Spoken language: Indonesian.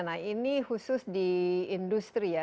nah ini khusus di industri ya